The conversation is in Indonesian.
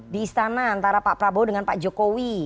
di istana antara pak prabowo dengan pak jokowi